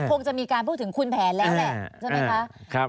คงจะมีการพูดถึงคุณแผนแล้วแหละใช่ไหมคะ